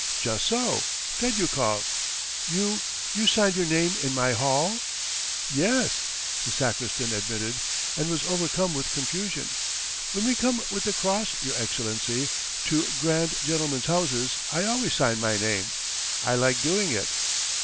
"Just so, Fedyukov." "You. ... you signed your name in my hall?" "Yes ..." the sacristan admitted, and was overcome with confusion. "When we come with the Cross, your Excellency, to grand gentlemen's houses I always sign my name. ... I like doing it.